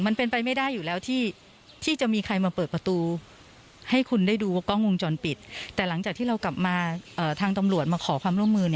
มันเป็นไปไม่ได้อยู่แล้วที่จะมีใครมาเปิดประตู